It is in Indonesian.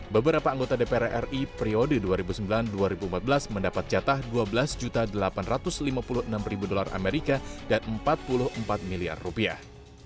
beberapa anggota dpr ri periode dua ribu sembilan dua ribu empat belas mendapat jatah dua belas delapan ratus lima puluh enam dolar amerika dan empat puluh empat miliar rupiah